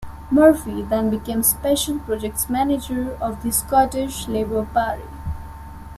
Murphy then became Special Projects Manager of the Scottish Labour Party.